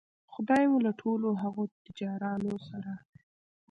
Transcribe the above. خدای مو له ټولو هغو تجارانو سره